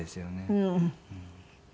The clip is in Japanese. うん。